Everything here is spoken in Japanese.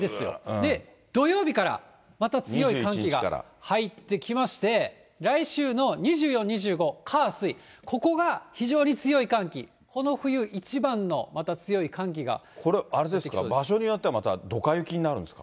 で、土曜日からまた強い寒気が入ってきまして、来週の２４、２５、火、水、ここが非常に強い寒気、これはあれですか、場所によってはまたドカ雪になるんですか？